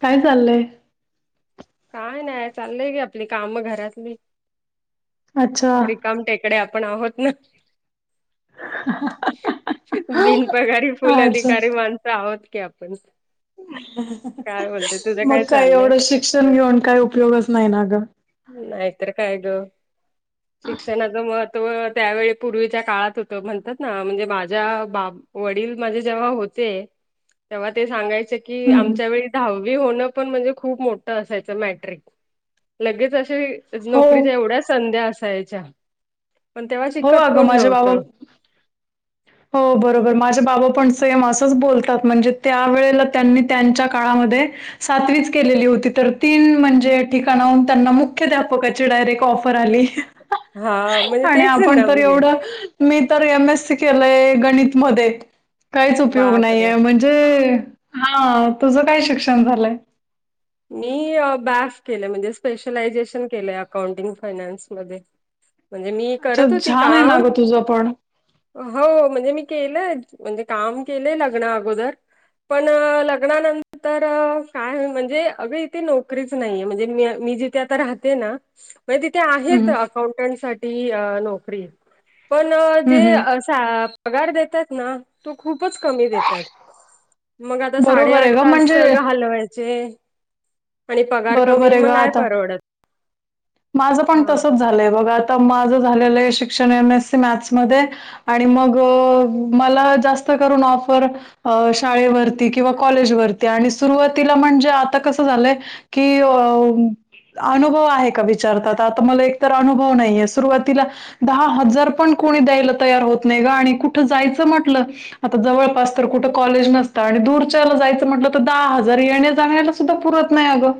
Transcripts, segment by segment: काय चाललय? काय नाय. चाललंय कीआपली काम घरातली, अच्छा रिकाम टेक. तकडे आपण आहोत ना. बिनपघारी फुल आज अधिकारी माणसं आहोत की आपण. काय बोलते तुझं काय मग काही चाललंय? एवढं शिक्षण घेऊन काय उपयोगच नाहीना ग. नाहीतर काय ग? शिक्षणाचं महत्त्व, त्यावेळी पूर्वीच्या काळात होतं, म्हणतात ना म्हणजे माझ्या बाब वडील माझे जेव्हा होते, तेव्हा ते सांगायचेज्ञ. की हम्म. आमच्या वेळी दहावी होणं पण म्हणजे खूप मोठ. असायच मट्रिक,, लगेच अस हो नोकरीच्यावढ. संध्या असायच्या पण तेव्हा हो शिकत अगं कोण माझे बाबा नव्हतं. हो, बरोबर, माझे बाबा पण सेम असंच बोलतात, म्हणजे त्या वेळेला त्यांनी त्यांच्या काळामध्ये सातवीच केलेली होती तर तीन म्हणजे ठिकाणाहून त्यांना मुख्याध्यापकाची डायरेक्ट ऑफर आली. हा म्हणजे आणि तेच आपण ना तर म्हणजे एवढं. मी तर एम एस सी केलंय गणितमध्ये काहीच उपयोग बापरे! नाहीे म्हणजे णे हा तुझं काय शिक्षण झालंय. मी बॅफ केलं म्हणजे स्पेशलायजेशन केलं अकाउंटिंग फायनान्समध्येध्ये म्हणजे मी अच्छा करत होती छान आहे ना काम गं तुझं पण हो म्हणजे मी केलंय म्हणजे काम केलंय लग्ना अगोदर पण लग्नानंतर काय म्हणजे? अगं इथे नोकरीच नाहीये,, म्हणजेी मी जिथे आता राहते ना, मग तिथे आहेऽ हं अकाउंटंसाठी नोकरी,, पण हं जे हं अ पगार देतात ना,, तो खूपच कमी देतात. मग आता बरोबर आहे साडेआठ गं तास म्हणजे हलवायचे. आणि पगार कमी बरोबर आहे गं मग नाही आता परवडत. माझं पण हा तसच झालंय बघ, आता माझं झालेलं आहे शिक्षण एम एस सी मॅथ्समध्ये आणि मग, मला जास्त करून ऑफर अ, शाळेवरती, किंवा कॉलेज वरती, आणि सुरुवातीला म्हणजे आता कस झालंय? कि अऽ अनुभव आहे का विचारतात,, आता मला एकतर अनुभव नाहीे,, सुरुवातीलाज्ञऽ दहा हजार पण कोणी द्यायला तयार होत नाही ग, आणि कुठं जायचं म्हटल. आता जवळपास तर कुठं कॉलेज नसत, आणि दूरच्याला जायचं म्हटलं तर दहा हजार येण्या जाण्य सुद्धा पुरत नाही अग.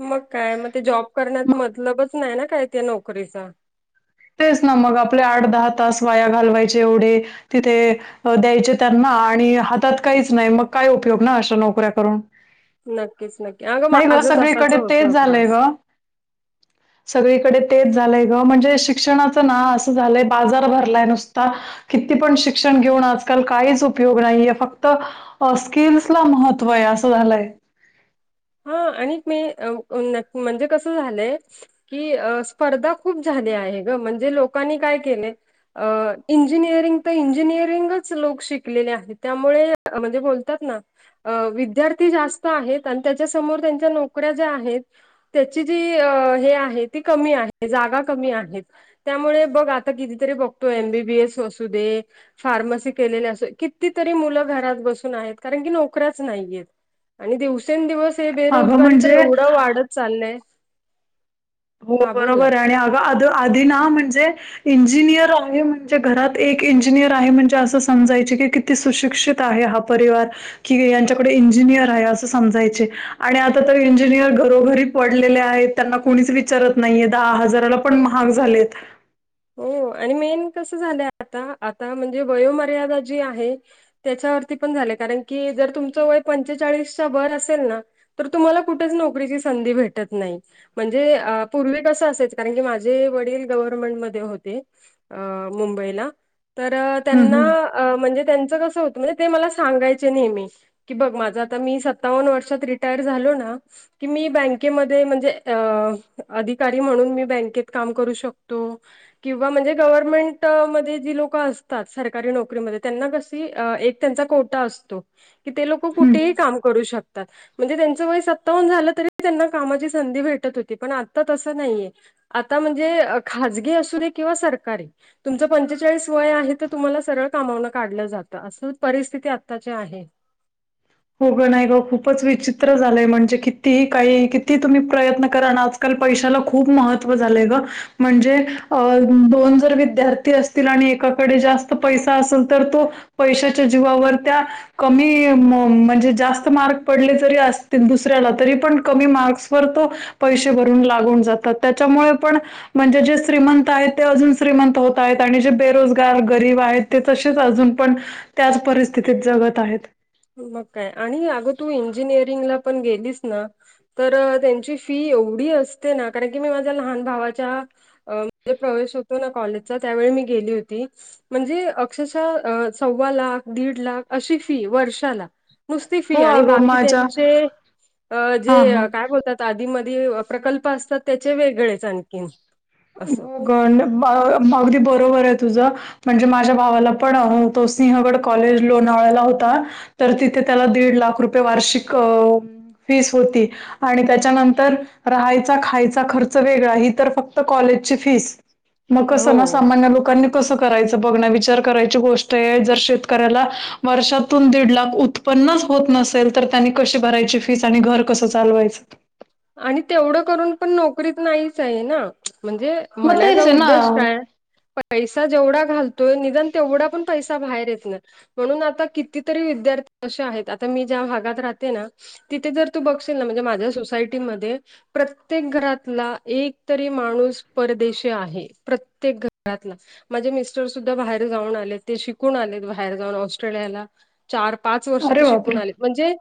मग काय? मग ते जॉब करण्यात मतलबच नाही ना काय त्या नोकरीचा. तेच ना मग आपले आठ, दहा तास वाया घालवायचे एवढे,, तिथे द्यायचे, त्यांना, आणि हातात काहीच नाही, मग काय उपयोग ना, अशा नोकऱ्या करून. नक्कीच नक्की अगं नाही ग, माझं तसाच सगळीकडे तेच होतो झालंय त्रास ग. सगळीकडे तेच झालंय ग, म्हणजे शिऽ शिक्षणाच ना, असं झालंय, बाजार भरलाय नुसताज्ञऽ किती पण शिक्षण घेऊन आजकाल काहीच उपयोग नाहीये, फक्त. अ स्किल्स ला महत्त्व आहे असं झालंय. हा, आणि मी म्हणजे कस झालंय? कि स्पर्धा खूप झाली आहे ग,, म्हणजे लोकांनी काय केले? अ इंजिनिअरिंग तर इंजिनिअरिंगच लोक शिकलेले आहेत, त्यामुळे म्हणजे बोलतात नाऽ अ, विद्यार्थी जास्त आहेत, आणि त्याच्या समोर त्यांच्या नोकऱ्या ज्या आहेतऽ त्याची जी, हे आहे ती कमी आहे, जागा कमी आहेत. त्यामुळे बघ, आता कितीतरी बघतो एमबीबीएस असू दे, फार्मसी केलेले असं कितीतरी मुलं घरात बसून आहेत कारण की नोकऱ्याच नाहीयेत. आणि दिवसेंदिवस हे अगं बेरोजगारी तर म्हणजे एवढं वाढत चाललंय. हो हा बोल ना. बरोबर आहे आणि अग अध आधी ना म्हणजे इंजिनियर आहे म्हणजे घरात एक इंजिनियर आहे म्हणजे असं समजायचे की, ते सुशिक्षित आहे हा परिवार की यांच्याकडे इंजिनियर आहे असं समजायचे. आणि आता तर इंजिनियर घरोघरी पडलेले आहेत त्यांना कोणीच विच विचारत नाहीये दहा हजाराला पण महाग झालेत. हो आणि मेन कस झालं आता आता म्हणजे वयोमर्यादा जी आहे. त्याच्यावरती पण झाले कारण की जर तुमचं वय पंचेचाळीस च्या वर असेल ना तर तुम्हाला कुठच नोकरीची संधी भेटत नाही. म्हणजे पूर्वी कसं असायचं कारण की माझे वडील गव्हर्नमेंट मध ते होते अ मुंबईला तर हं, त्यांना हं, अ म्हणजे त्यांचं कसं होतं म्हणजे ते मला सांगायचे नेहमी की बघ माझं आता मी सत्तावन्न वर्षात रिटायर झालो ना. की मी बँकेमध्ये म्हणजे अ अधिकारी म्हणून मी बँकेत काम करू शकतो. किंवा म्हणजे गव्हर्नमेंट मध्ये जी लोक असतात, सरकारी नोकरीमध्येऽ त्यांना कशी एक त्यांचा कोटा असतो, की ते लोक हं. कुठेही काम करू शकतातऽ म्हणजे त्यांचं वय सत्तावन झालं तरी त्यांना कामाची संधी भेटत होती, पण आता तसं नाहीय. आता म्हणजे खाजगी असू दे, किंवा सरकारी, तुमचं पंचेचाळीस वय आहे, तर तुम्हाला सरळ कामावनं काढलं जातं, असं परिस्थिती आत्ताची आहे. होगं नाही ग खूपच विचित्र झालंय म्हणजे किती काही किती तुम्ही प्रयत्न करा आज काल पैशाला खूप महत्त्व झालंय गं. म्हणजे अ दोन जर विद्यार्थी असतील आणि एकाकडे जास्त पैसा असल तर तो पैशाच्या जीवावर त्या कमी म म्हणजे जास्त मार्क पडले जरी असतील दुसऱ्याला तरी पण कमी मार्क्सवर तो पैसे भरून लागून जातात त्याच्यामुळे पण म्हणजे जे श्रीमंत आहेत ते अजून श्रीमंत होत आहेत आणि जे बेरोजगार गरीब आहेत. ते तसेच अजून पण त्याच परिस्थितीत जगत आहेत. मग काय आणि अगं तू इंजिनिअरिंगला पण गेलीस ना, तर त्यांची फी एवढी असते ना कारण की मी माझ्या लहान भावाच्या अ म्हणजे प्रवेश होतो ना कॉलेजचा त्यावेळी मी गेली होती. म्हणजे अक्षरशः अ सव्वा लाख दीड लाख अशी फी वर्ष झाला नुसती फी हो आणि अगं बाकी माझ्या त्यांचे अ हा हा. जे काय बोलतात. त आधी मधी प्रकल्प असतात त्याचे वेगळेच आणखीन. असं. गण अ अगदी बरोबर आहे तुझं. म्हणजे माझ्या भावाला पण तो सिंहगड कॉलेज लोणावळ्याला होता. तर तिथे त्याला दीड लाख रुपये वार्षिक अ फीस होती आणि त्याच्यानंतर राहायचा खायचा खर्च वेगळा ही तर फक्त कॉलेजची फीस मग कस ना हो सामान्य लोकांनी कसं करायचं? बघ ना विचार करायची गोष्ट आहे जर शेतकऱ्याला वर्षातून दीड लाख उत पन्नास होत नसेल तर त्यांनी कशी भरायची फीस आणि घर कसं चालवायचं? आणि तेवढं करून पण नोकरीत नाहीच आहे ना. म्हणजे मग म्हणायचा तेच आहे उद्देश ना काय पैसा जेवढा घालतोय निदान तेवढा पण पैसा बाहेर येत नाय. म्हणून आता कितीतरी विद्यार्थी असे आहेत आता मी ज्या भागात राहते ना, तिथे जर तू बघशील ना म्हणजे माझ्या सोसायटीमध्ये प्रत्येक घरातला एकतरी माणूस परदेशी आहे प्रत्येक घरातला. माझे मिस्टर सुद्धा बाहेर जाऊन आलेत ते शिकून आलेत बाहेर जाऊन ऑस्ट्रेलियाला. चार पाच वर्ष अरे ते शिकून बापरे! आले म्हणजे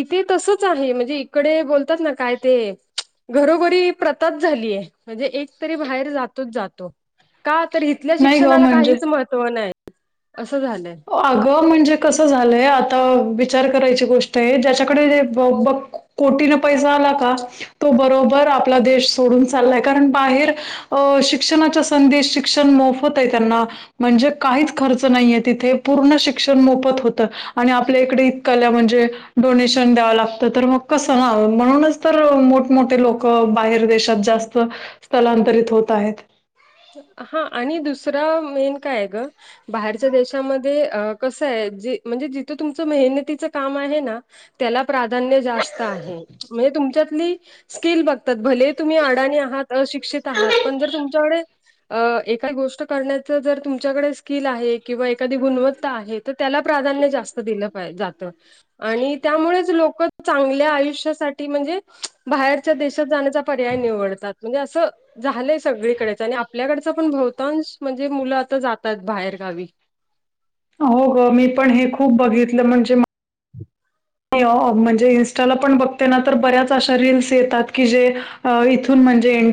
इथे तसच आहे म्हणजे इकडे बोलतात ना काय ते घरोघरी प्रथाच झालीये म्हणजे एक तरी बाहेर जातोच जातो. का तर इथल्या नाही गं शिक्षणाला म्हणजे काहीच महत्व नाही असं झालंय. अगं.. म्हणजे कसं झालंय आता विचार करायची गोष्ट आहे ज्याच्याकडे जे बघ बख कोटीनं पैसा आला का? तो बरोबर आपला देश सोडून चाललाय कारण बाहेर अ शिक्षणाच्या संधी शिक्षण मोफत आहे त्यांना म्हणजे काहीच खर्च नाहीय. तिथे पूर्ण शिक्षण मोफत होत आणि आपल्या इकडे इतकाल्या म्हणजे? डोनेशन द्यावं लागत तर मग कसं ना म्हणूनच तर मोठमोठे लोकं बाहेर देशात. जास्त स्थलांतरित होत आहेत. हा आणि दुसरा मेन काय आहे ग? बाहेरच्या देशामध्ये कसं आहे ज म्हणजे जिथं तुमचं मेहनतीचं काम आहे ना त्याला प्राधान्य जास्त आहे म्हणजे तुमच्यातली स्किल बघ भले तुम्ही अडाणी आहात, अशिक्षित आहात पण जर तुमच्याकडे अ एखादी गोष्ट करण्याच जर तुमच्याकडे स्किल आहे किंवा एखादी गुणवत्ता आहे. तर त्याला प्राधान्य जास्त दिलं पाहिज जातं आणि त्यामुळेच लोक चांगल्या आयुष्यासाठी म्हणजे बाहेर देशात जाण्या पर्याय निवडतात म्हणजे अस झालंय सगळीकडे आपल्याकडच पण बहुतांश म्हणजे मुलं आता जातात बाहेर गावी. हो गं मी पण हे खूप बघितलं म्हणजे [unintelligible] [inaudible] म्हणजे इंस्टाला पण बघते ना तर बऱ्याच अशा रील्स येतात की जे इथून म्हणजे इं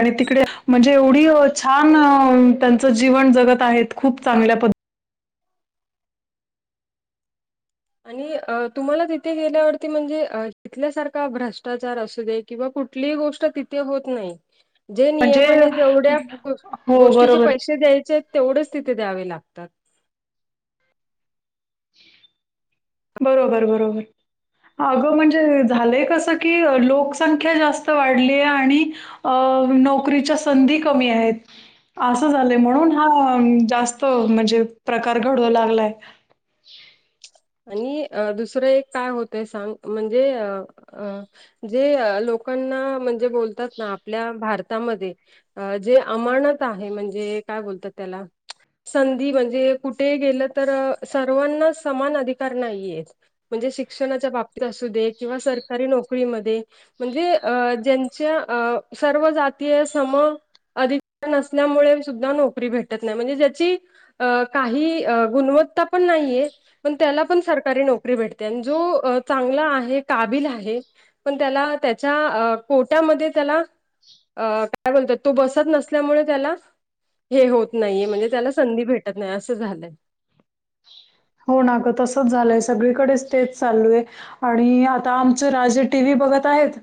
आणि तिकडे म्हणजे एवढी छान त्यांचं जीवन जगत आहेत खूप चांगल्या पद्ध आणि तुम्हाला तिथे गेल्यावरती म्हणजे तिथल्यासारखा भ्रष्टाचार असू दे किंवा कुठलीही गोष्ट तिथे होत नाही. जे म्हणजे नियमाने जेवढ्या हो, गोष्टीचे बरोबर. पैसे द्यायचे आहेत तेवढेच तिथे द्यावे लागतात ह् बरोबर बरोबर अगं म्हणजे झालंय कसं की लोकसंख्या जास्त वाढलीय आणि अ नोकरीच्या संधी कमी आहेत असं झालंय म्हणून हा जास्त म्हणजे प्रकार घडवू लागलाय आणि अ दुसरं एक काय होतय सांग म्हणजे अ अ जे लोकांना म्हणजे बोलतात ना आपल्या भारतामध्ये अ जे अमर्णत आहे म्हणजे काय बोलतात त्याला संधी म्हणजे कुठे गेलं तर सर्वांना समान अधिक णे श न क म म्हणजे अ ज्यांच्या सर्व जातीय सम अधिक नसल्यामुळे सुद्धा नोकरी भेटत नाही म्हणजे ज्याची अ काही गुणवत्ता पण नाहीये पण, त्याला पण सरकारी नोकरी भेटते आणि जो चांगला आहे काबिल आहे पण त्याला त्याच्या कोट्यामध्ये त्याला अ काय बोलतात तो बसत नसल्यामुळे त्याला हे होत नाहीये म्हणजे त्याला संधी भेटत नाही असं झालंय हो नाक तसच झालंय सगळीकडे स्टेज चाललू आहे आणि आता आमचे राजे टी व्ही बघत आहेत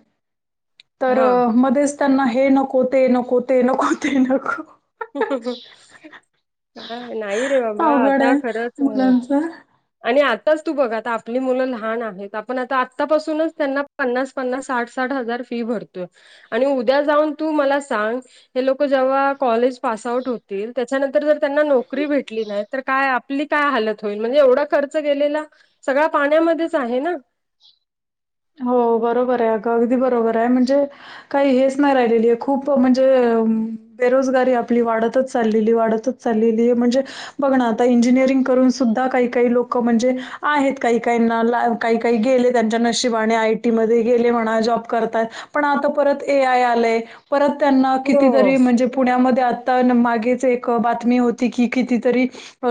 तर हां. मध्येच त्यांना हे नकोते नकोते नकोते नक काय नाही रे बाबा अवघड आता आहे खरंच मुलांचं. आणि आताच तू बघा आता आपली मुलं लहान आहेत आपण आता आतापासूनच त्यांना पन्नास पन्नास साठ साठ हजार फी भरतोय आणि उद्या जाऊन तू मला सांग हे लोक जेव्हा कॉलेज पास आ होतील त्याच्यानंतर जर त्यांना नोकरी भेटली नाही तर काय आपली काय हालत होईल म्हणजे एवढा खर्च गेलेला सगळा पाण्यामध्येच आहे ना हो बरोबर आहे अगं अगदी बरोबर आहे म्हणजे काही हेच नाही राहिलेली आहे खूप म्हणजे बेरोजगारी आपली वाढतच चाललेली वाढतच चाललेली आहे म्हणजे बघ ना आता इंजिनिअरिंग करून सुद्धा काही काही लोक म्हणजे आहेत काही काहीना काही काही गेले त्यांच्याना आयी म ग म्ह जय पण आता परत ए आय आय परत त्यांना हो. कितीतरी म्हणजे पुण्यामध्ये आत्ता मागेच एक बातमी होती की कितीतरी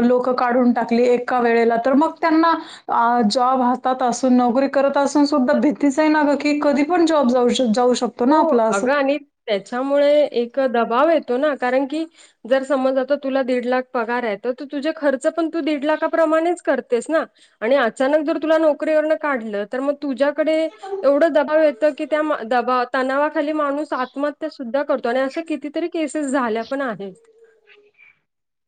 लोक काढून टाकली एका वेळेला तर मग त्यांना अ जॉब हातात असून नोकरी करत तसून सुद्धा भीतीचही नाका की कधी पण जॉब जाऊ श जाऊ शकतो ना हो आपला असं. अगं आणि त्याच्यामुळे एक दबाव येतो ना कारण की जर समज आता तुला दीड लाख पगार आहेयेत तर तुझे खर्च पण तू दीड लाखाप्रमाणेच करतेस ना आणि अचानक जर तुला नोकरीवरण काढलं तर मग तुझ्याकडे एवढं दबाव येतं की त्या दबाव तणावाखाली माणूस आत्महत्या सुद्धा करतो आणि अशा कितीतरी केसेस झाल्या पण आहेत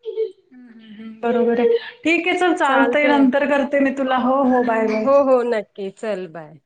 ह्म हम् हम् बरोबर आहे ठीक आहे सर चालतय चालतंय नंतर करते मी तुला हो हो बाय बाय ओ चल बाय